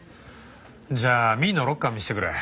じゃあ美依のロッカー見せてくれ。